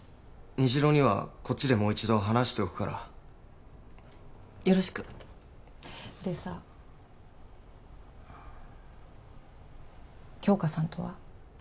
虹朗にはこっちでもう一度話しておくからよろしくでさ杏花さんとは？